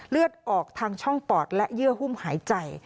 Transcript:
เลือดออกทางช่องปอดและเยื่อหุ้มหายใจ